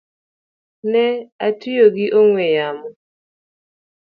Ne atiyo gi ong’we yamo